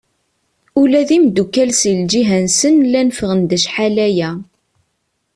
Ula d imddukal s lǧiha-nsen llan ffɣen-d acḥal-aya.